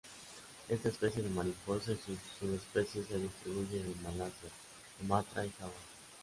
Esta especie de mariposa y sus subespecies se distribuyen en Malasia, Sumatra y Java.